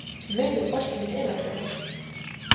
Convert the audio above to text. მე მიყვარს ლიტერატურა